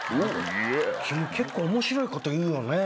君結構面白いこと言うよね。